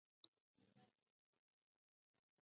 جورچنیان د چینګ کورنۍ بنسټګر ګڼل کېدل.